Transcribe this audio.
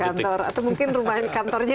atau mungkin kantornya